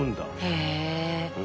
へえ。